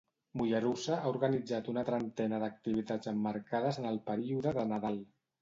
Mollerussa ha organitzat una trentena d'activitats emmarcades en el període de Nadal.